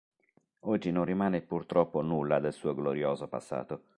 Oggi non rimane purtroppo nulla del suo glorioso passato.